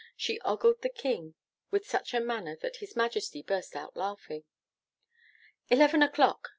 She ogled the King in such a manner that His Majesty burst out laughing. 'Eleven o'clock!